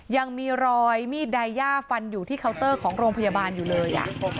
ยังมีรอยมีดไดย่าฟันอยู่ที่เคาน์เตอร์ของโรงพยาบาลอยู่เลย